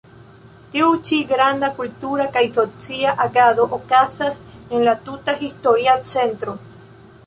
Tiu ĉi granda kultura kaj socia agado okazas en la tuta historia centro.